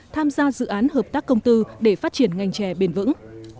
tham gia dự án hợp tác công tư để phát triển ngành chè bền vững